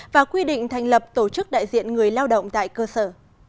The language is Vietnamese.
và quy định thành lập tổ chức đại diện người lao động tại cơ sở